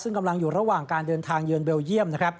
ซึ่งกำลังอยู่ระหว่างการเดินทางเยือนเบลเยี่ยมนะครับ